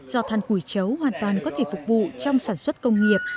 do than củi chấu hoàn toàn có thể phục vụ trong sản xuất công nghiệp